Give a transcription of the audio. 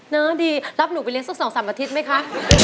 ดีรับหนูไปเลี้ยสัก๒๓อาทิตย์ไหมคะ